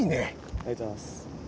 ありがとうございます。